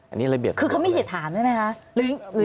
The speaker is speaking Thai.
อันนี้ระเบียบของตำรวจเลยคือเขามีเสียถามใช่ไหมคะ